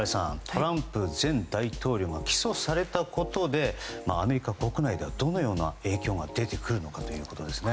トランプ前大統領が起訴されたことでアメリカ国内ではどのような影響が出てくるのかということですね。